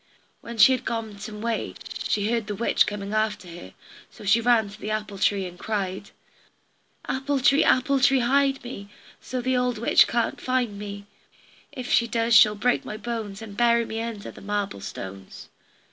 When she had gone some way she heard the witch coming after her. So she ran to the apple tree and cried: "Apple tree, apple tree hide me, So the old witch can't find me; If she does she'll pick my bones, And bury me under the marble stones."